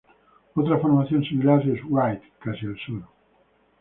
Otra formación similar es Wright, casi al sur.